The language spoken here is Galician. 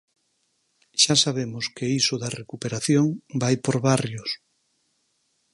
Xa sabemos que iso da recuperación vai por barrios.